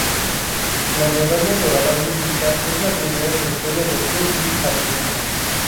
La medalla dorada olímpica es la primera en la historia del rugby argentino.